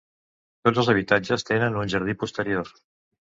Tots els habitatges tenen un jardí posterior.